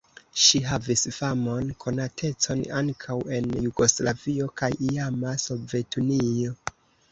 Ŝi havis famon, konatecon ankaŭ en Jugoslavio kaj iama Sovetunio.